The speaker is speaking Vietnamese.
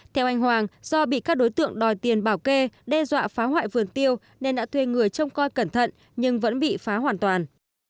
theo anh hoàng do bị các đối tượng đòi tiền bảo kê đe dọa phá hoại vườn tiêu nên đã thuê người trông coi cẩn thận nhưng vẫn bị phá hoàn toàn